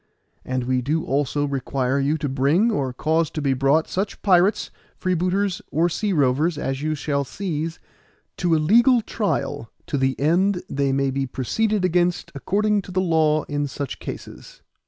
And we do also require you to bring, or cause to be brought, such pirates, freebooters, or sea rovers, as you shall seize, to a legal trial, to the end they may be proceeded against according to the law in such cases.